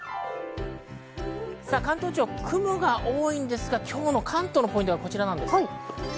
関東地方、雲が多いんですが、今日の関東のポイントはこちらです。